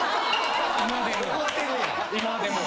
今でも。